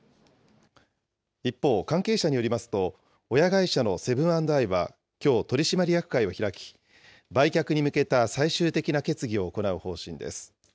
一方、関係者によりますと、親会社のセブン＆アイは、きょう取締役会を開き、売却に向けた最終的な決議を行う方針です。